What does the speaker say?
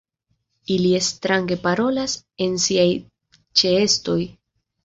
Ili strange parolas en siaj ĉeestoj.